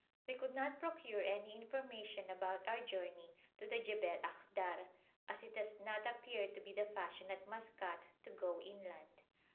We could not procure any information about our journey to the Jebel Akhdar, as it does not appear to be the fashion at Maskat to go inland.